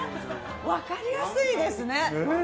わかりやすいですね